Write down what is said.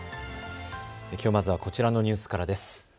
きょうまずはこちらのニュースからです。